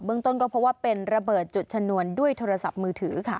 เมืองต้นก็เพราะว่าเป็นระเบิดจุดชนวนด้วยโทรศัพท์มือถือค่ะ